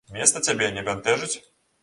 Месца цябе не бянтэжыць?